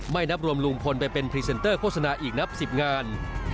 นับรวมลุงพลไปเป็นพรีเซนเตอร์โฆษณาอีกนับ๑๐งาน